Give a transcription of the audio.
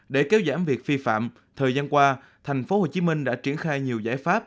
để kéo giảm việc vi phạm thời gian qua thành phố hồ chí minh đã triển khai nhiều giải pháp